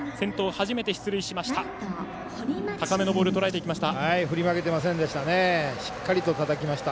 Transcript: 初めて出塁しました。